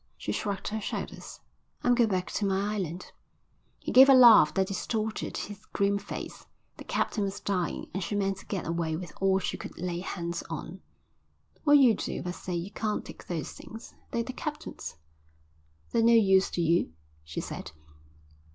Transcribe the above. She shrugged her shoulders. "I'm going back to my island." He gave a laugh that distorted his grim face. The captain was dying and she meant to get away with all she could lay hands on. "What'll you do if I say you can't take those things? They're the captain's." "They're no use to you," she said.